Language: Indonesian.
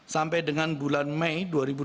sampai dengan bulan mei dua ribu dua puluh